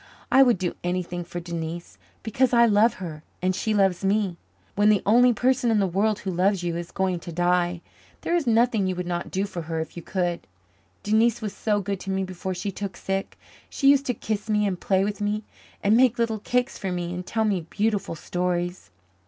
"I would do anything for Denise because I love her and she loves me. When the only person in the world who loves you is going to die, there is nothing you would not do for her if you could. Denise was so good to me before she took sick. She used to kiss me and play with me and make little cakes for me and tell me beautiful stories."